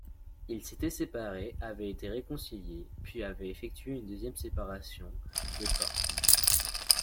Ils s'étaient séparés, avaient été réconciliés, puis avaient effectué une deuxième Séparation de corps.